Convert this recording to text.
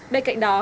bên cạnh đó